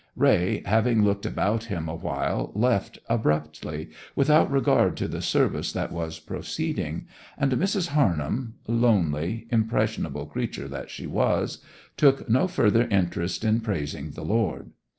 Raye, having looked about him awhile, left abruptly, without regard to the service that was proceeding; and Mrs. Harnham—lonely, impressionable creature that she was—took no further interest in praising the Lord.